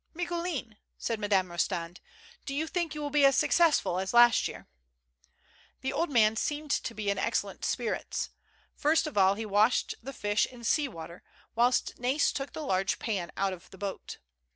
" Micoulin," said Madame Rostand, "do you think you will be as successful as last year ?" The old man seemed to be in excellent spirits. First of all he washed the fish in sea water, whilst Nais took the large pan out of the boat.